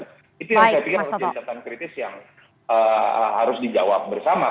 itu yang saya pikir harus jadi catatan kritis yang harus dijawab bersama